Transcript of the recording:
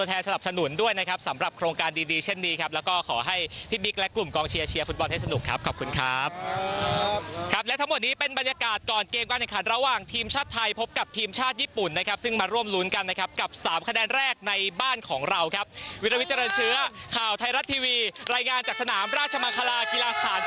ทำการดีเช่นนี้ครับแล้วก็ขอให้พี่บิ๊กและกลุ่มกองเชียร์เชียร์ฟุตบอลให้สนุกครับขอบคุณครับครับและทั้งหมดนี้เป็นบรรยากาศก่อนเกมการแขนขันระหว่างทีมชาติไทยพบกับทีมชาติญี่ปุ่นนะครับซึ่งมาร่วมรุนกันนะครับกับสามคะแดนแรกในบ้านของเราครับวิราวิทยาลัยเชื้อข่าวไทยรัตน์ที